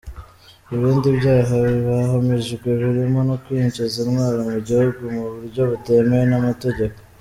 Ibindi byaha bahamijwe birimo no kwinjiza intwaro mu gihugu mu buryo butemewe n’amategeko.